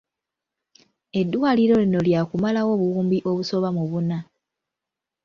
Eddwaliro lino lyakumalawo obuwumbi obusoba mu buna.